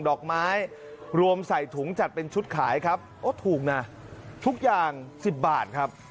ดอกไม้รวมใส่ถุงจัดเป็นชุดขายครับโอ้ถูกนะทุกอย่าง๑๐บาทครับ